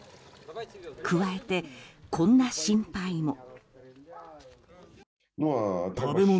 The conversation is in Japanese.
加えて、こんな心配も。